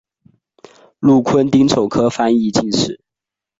禄坤丁丑科翻译进士。